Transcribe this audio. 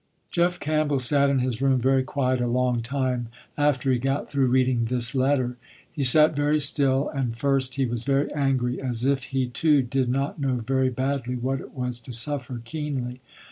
Jeff Campbell sat in his room, very quiet, a long time, after he got through reading this letter. He sat very still and first he was very angry. As if he, too, did not know very badly what it was to suffer keenly.